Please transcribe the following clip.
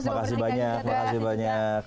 terima kasih banyak